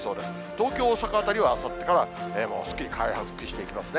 東京、大阪辺りはあさってからもうすっきり回復していきますね。